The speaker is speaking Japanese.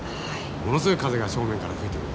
ものすごい風が正面から吹いてくる。